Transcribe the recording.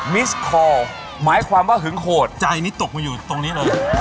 มิสคอลหมายความว่าหึงโหดใจนี้ตกมาอยู่ตรงนี้เลย